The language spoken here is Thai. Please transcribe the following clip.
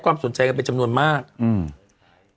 สนใจกันเป็นจำนวนมากอืม